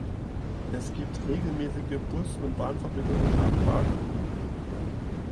Es gibt regelmäßige Bus- und Bahnverbindungen nach Baku.